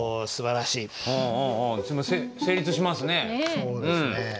そうですね。